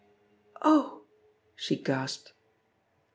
"Ohl" she gasped.